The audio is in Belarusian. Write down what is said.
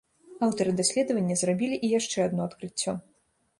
Аўтары даследавання зрабілі і яшчэ адно адкрыццё.